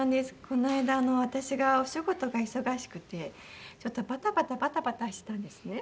この間私がお仕事が忙しくてちょっとバタバタバタバタしたんですね。